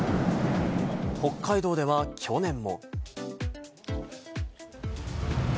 北海道では去年も。